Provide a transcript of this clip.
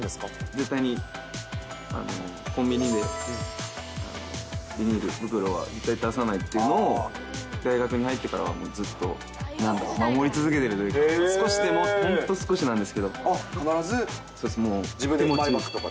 絶対にコンビニでビニール袋は絶対出さないっていうのを、大学に入ってからは、もうずっとなんだろう、守り続けてるというか、少しでも、あっ、必ずマイバックとか？